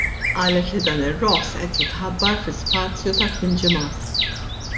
Qalet li dan ir-roħs qed jitħabbar fi spazju ta' tmien ġimgħat.